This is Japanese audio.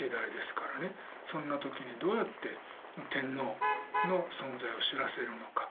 そんな時にどうやって天皇の存在を知らせるのか。